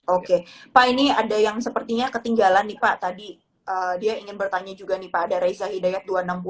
oke pak ini ada yang sepertinya ketinggalan nih pak tadi dia ingin bertanya juga nih pak ada reza hidayat dua ratus enam puluh